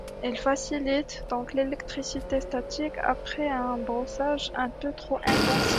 Elles facilitent donc l'électricité statique après un brossage un peu trop intensif.